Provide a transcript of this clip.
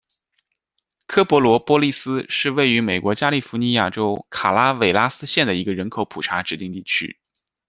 科珀罗波利斯是位于美国加利福尼亚州卡拉韦拉斯县的一个人口普查指定地区。